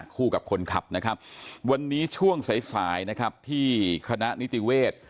คู่กับคนขับนะครับวันนี้ช่วงสายสายนะครับที่คณะนิติเวศ